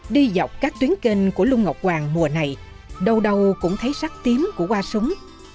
đi dọc các tuyến kênh của lung ngọc hoàng mùa này đâu đâu đâu cũng thấy sắc tím của hoa súng